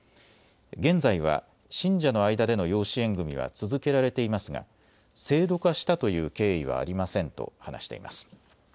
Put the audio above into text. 現在は信者の間での養子縁組みは続けられていますが制度化したという経緯はありませんと話しています。